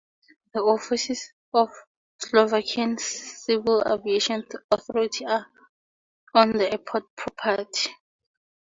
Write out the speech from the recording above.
The offices of the Slovakian Civil Aviation Authority are on the airport property.